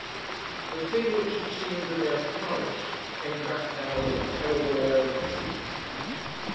The thing which had seemed a mere flourish, came back now with a terrible air of truth.